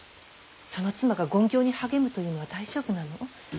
その妻が勤行に励むというのは大丈夫なの。